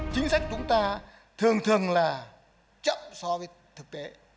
chính sách chúng ta thường thường là chậm so với thực tế